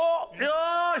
よし！